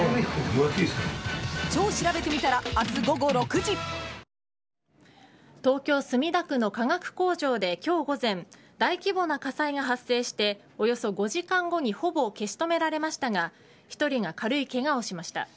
一方、長崎市の諏訪神社では東京、墨田区の化学工場で今日午前大規模な火災が発生しておよそ５時間後にほぼ消し止められましたが１人が軽いけがをしました。